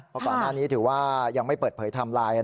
เพราะข้างหน้านี้ถือว่ายังไม่เปิดเผยทำลาย